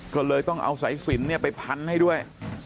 ก็เลยต้องเอาสายสินไปพันให้ด้วย